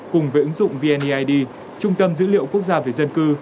cùng với ứng dụng vneid trung tâm dữ liệu quốc gia về dân cư